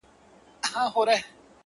د اشنا یاده وفا وکړه درنه هیله کومه